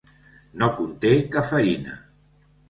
No conté cafeïna.